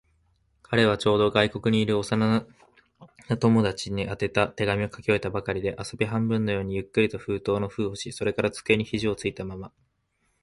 彼はちょうど、外国にいる幼な友達に宛てた手紙を書き終えたばかりで、遊び半分のようにゆっくりと封筒の封をし、それから机に肘ひじをついたまま、